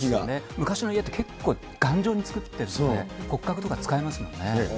昔の家って、結構頑丈に作ってるので、骨格とか使えますもんね。